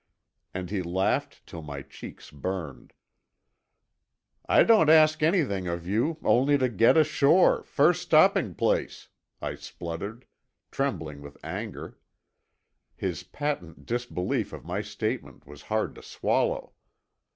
And he laughed till my cheeks burned. "I don't ask anything of you only to get ashore, first stopping place," I spluttered, trembling with anger; his patent disbelief of my statement was hard to swallow.